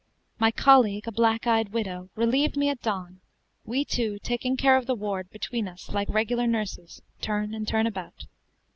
My colleague, a black eyed widow, relieved me at dawn, we two taking care of the ward between us, like regular nurses, turn and turn about.